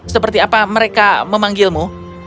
seperti apa mereka memanggilmu